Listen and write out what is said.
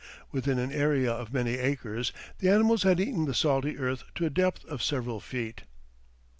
Within an area of many acres, the animals had eaten the salty earth to a depth of several feet.